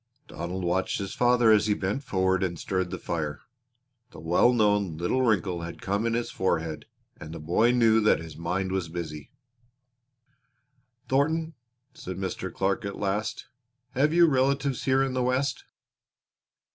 Donald watched his father as he bent forward and stirred the fire. The well known little wrinkle had come in his forehead and the boy knew that his mind was busy. "Thornton," said Mr. Clark at last, "have you relatives here in the West?"